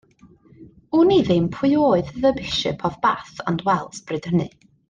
Wn i ddim pwy oedd The Bishop of Bath and Wells bryd hynny.